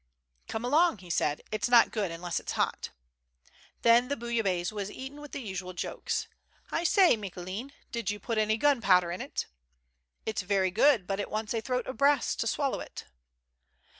" Come along," he said, " It's not good unless it's hot." Then the bouillabaisse was eaten with the usual jokes. " I say, Micoulin, did you put any gunpowder in it ?"" It's very good, but it wants a throat of brass to swallow it."